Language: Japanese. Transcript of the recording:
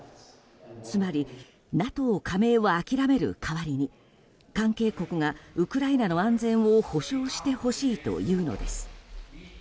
つまり、ＮＡＴＯ加盟を諦める代わりに関係国がウクライナの安全を保障してほしいというのです。